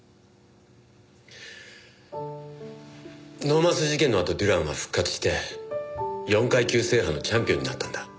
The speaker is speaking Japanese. ノーマス事件のあとデュランは復活して４階級制覇のチャンピオンになったんだ。